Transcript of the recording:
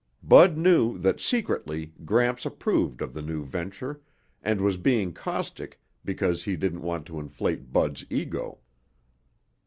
Bud knew that secretly Gramps approved of the new venture and was being caustic because he didn't want to inflate Bud's ego.